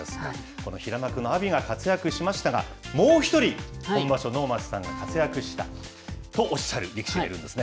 この平幕の阿炎が活躍しましたが、もう一人、今場所、能町さんが活躍したとおっしゃる力士がいるんですね。